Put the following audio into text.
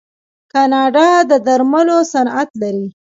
کاناډا د درملو صنعت لري.